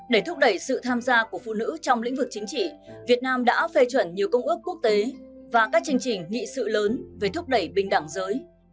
để thúc đẩy sự tham gia của phụ nữ trong lĩnh vực chính trị việt nam đã phê chuẩn nhiều công ước quốc tế và các chương trình nghị sự lớn về thúc đẩy bình đẳng giới